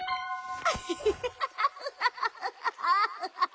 ハハハハハハ。